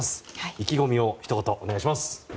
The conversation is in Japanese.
意気込みをひと言お願いします。